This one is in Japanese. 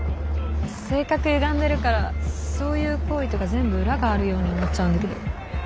性格ゆがんでるからそういう厚意とか全部裏があるように思っちゃうんだけど。